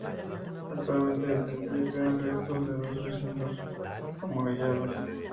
Actualmente, del castillo quedan restos de dos recintos amurallados.